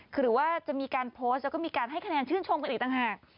หรือว่าจะมีการโพสต์แล้วก็มีการให้คะแนนชื่นชมกันอีกต่างหาก